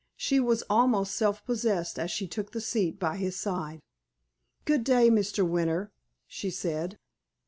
She was almost self possessed as she took the seat by his side. "Good day, Mr. Winter," she said.